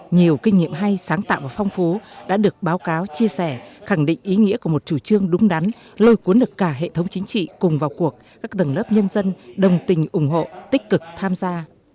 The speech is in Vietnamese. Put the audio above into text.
nhiều kinh nghiệm hay sáng tạo và phong phú đã được báo cáo chia sẻ khẳng định ý nghĩa của một chủ trương đúng đắn lôi cuốn được cả hệ thống chính trị cùng vào cuộc các tầng lớp nhân dân đồng tình ủng hộ tích cực tham gia